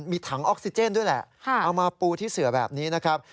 มีถังออกซิเจนด้วยแหละเอามาปูที่เสือแบบนี้นะครับ